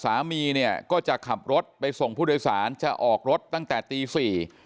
สามีเนี่ยก็จะขับรถไปส่งผู้โดยสารจะออกรถตั้งแต่ตีสี่